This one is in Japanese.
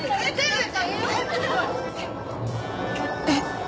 えっ？